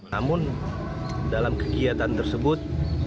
namun dalam kegiatan tersebut